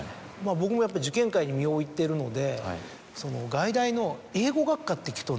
僕も受験界に身を置いてるので。